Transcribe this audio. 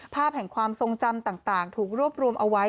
ภาพแห่งความทรงจำต่างถูกรวบรวมเอาไว้